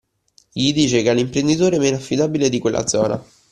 Gli dice che è l’imprenditore meno affidabile di quella zona